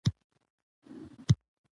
دا د انګلیسي ادبیاتو یوه ستره مرجع ده.